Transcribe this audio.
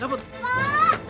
pak bukain pak pintunya